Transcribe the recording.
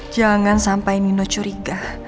jangan sampai nino curiga